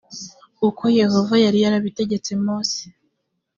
ukoyehova yari yarabitegetse mose